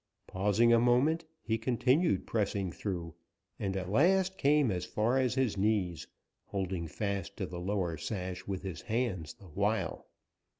Pausing a moment, he continued pressing through, and at last came as far as his knees, holding fast to the lower sash with his hands the while.